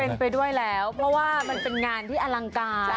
เป็นไปด้วยแล้วเพราะว่ามันเป็นงานที่อลังการ